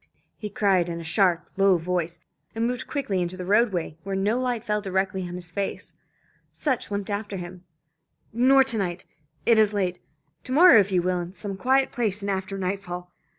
he cried in a sharp low voice, and moved quickly into the roadway, where no light fell directly on his face. Sutch limped after him. "Nor to night. It is late. To morrow if you will, in some quiet place, and after nightfall.